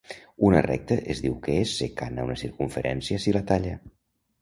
Una recta es diu que és secant a una circumferència si la talla.